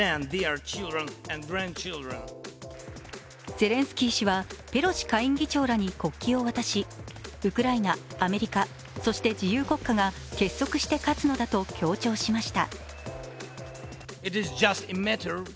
ゼレンスキー氏はペロシ下院議長らに国旗を渡しウクライナ、アメリカ、そして自由国家が結束して勝つのだと強調しました。